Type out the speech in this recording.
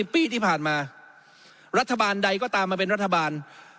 ปีที่ผ่านมารัฐบาลใดก็ตามมาเป็นรัฐบาล